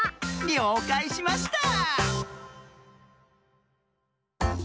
りょうかいしました。